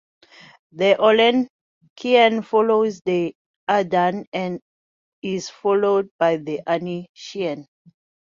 The Olenekian follows the Induan and is followed by the Anisian.